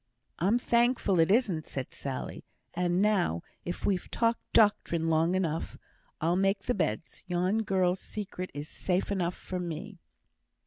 "I'm thankful it isn't," said Sally; "and now, if we've talked doctrine long enough, I'll go make th' beds. Yon girl's secret is safe enough for me."